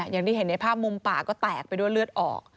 อย่างที่เห็นในภาพมุมปากก็แตกไปด้วยเลือดออก